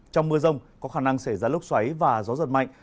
trong mưa rông có khả năng xảy ra lốc xoáy và gió giật mạnh